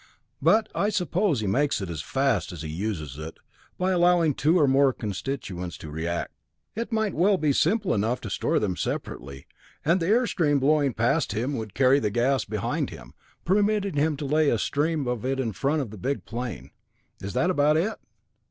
"But I suppose he makes it as fast as he uses it, by allowing two or more constituents to react. It might well be simple enough to store them separately, and the air stream blowing past him would carry the gas behind him, permitting him to lay a stream of it in front of the big plane. Is that about it?"